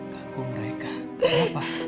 gagum mereka kenapa